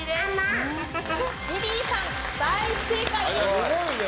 すごいね。